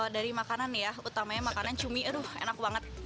dari makanan ya utamanya makanan cumi aduh enak banget